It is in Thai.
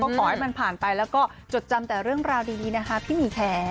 ขอให้มันผ่านไปแล้วก็จดจำแต่เรื่องราวดีนะคะพี่หมีค่ะ